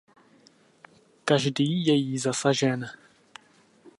Každý je jí zasažen.